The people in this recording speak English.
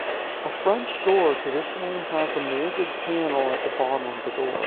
A French door traditionally has a moulded panel at the bottom of the door.